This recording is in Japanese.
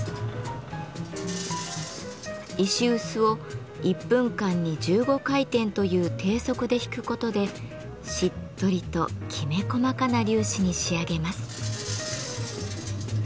石うすを１分間に１５回転という低速で挽くことでしっとりときめ細かな粒子に仕上げます。